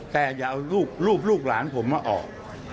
แต่อย่าเอารูปลูกหลานผมมาออก